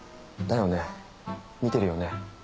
だよね見てるよね。